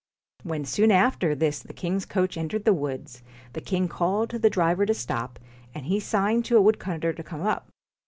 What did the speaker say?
When soon after this the king's coach entered the woods, the king called to the driver to stop, and he signed to a woodcutter to come up.